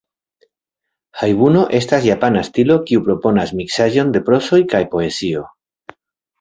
Hajbuno estas japana stilo kiu proponas miksaĵon de prozo kaj poezio.